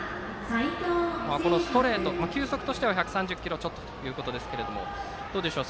ストレート、球速としては１３０キロちょっとということですがどうでしょうか。